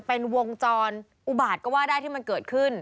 เป็นวงจรอุบาตก็ว่าได้ที่มันเกิดขึ้น